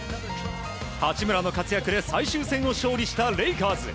八村の活躍で最終戦を勝利したレイカーズ。